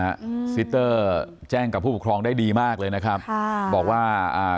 อืมซิเตอร์แจ้งกับผู้ปกครองได้ดีมากเลยนะครับค่ะบอกว่าอ่า